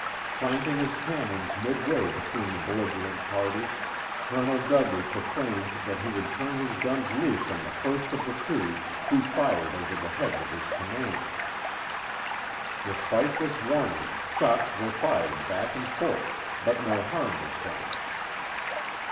Planting his cannons midway between the belligerent parties, Col. Dudley proclaimed that he would turn his guns loose on the first of the two, who fired over the heads of his command. Despite this warning, shots were fired back and forth, but no harm was done.